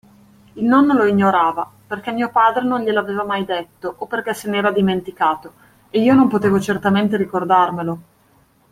Il nonno lo ignorava, perché mio padre non gliel'aveva mai detto o perché se n'era dimenticato, e io non potevo certamente ricordarmelo.